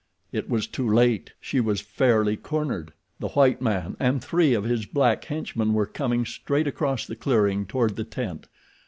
It was too late! She was fairly cornered! The white man and three of his black henchmen were coming straight across the clearing toward the tent.